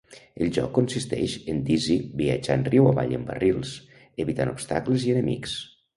El joc consisteix en Dizzy viatjant riu avall en barrils, evitant obstacles i enemics.